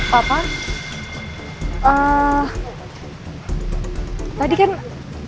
tadi kan aku mau nemenin elsa ketemu sama nino